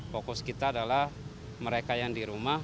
fokus kita adalah mereka yang di rumah